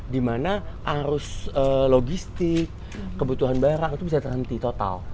dimana arus logistik kebutuhan barang itu bisa terhenti total